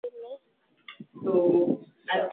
katika sensa ya mwaka elfu mbili na mbili